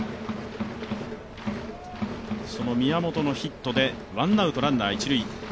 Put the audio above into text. その宮本のヒットでワンアウト・ランナー一塁。